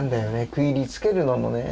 区切りつけるのもね。